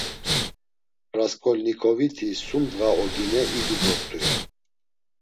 Rasǩolnikoviti sum ndğa ogine idu dort̆u, ya.